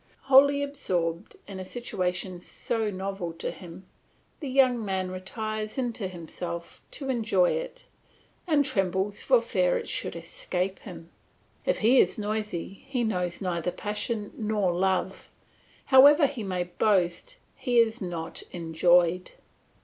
Wholly absorbed in a situation so novel to him, the young man retires into himself to enjoy it, and trembles for fear it should escape him. If he is noisy he knows neither passion nor love; however he may boast, he has not enjoyed.